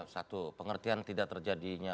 satu pengertian tidak terjadinya